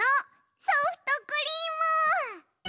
ソフトクリーム！